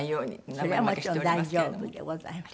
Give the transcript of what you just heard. それはもちろん大丈夫でございます。